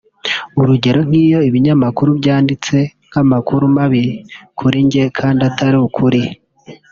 urugero nk’iyo ibinyamakuru byanditse nk’amakuru mabi kuri njye kandi atari ukuri